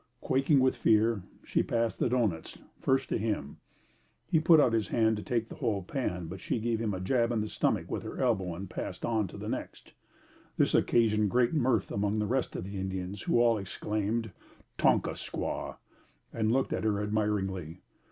Quaking with fear, she passed the doughnuts, first to him. He put out his hand to take the whole pan, but she gave him a jab in the stomach with her elbow and passed on to the next. This occasioned great mirth among the rest of the Indians who all exclaimed, "Tonka Squaw" and looked at her admiringly.